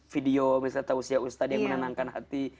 video misalnya tausia ustad yang menenangkan hati